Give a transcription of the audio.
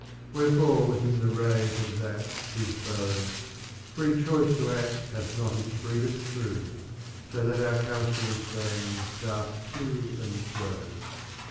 Wherefore within the range of that his bow, Free choice to act hath not its freedom true, '" So that our counsels vain dart to and fro.